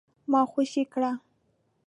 ما خوشي کړه ؟